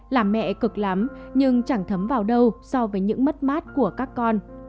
làm mẹ cực lắm nhưng chẳng thấm vào đâu so với những mất mát của các con